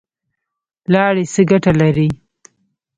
لاړې څه ګټه لري؟